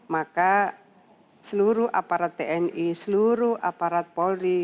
maka seluruh aparat tni seluruh aparat polri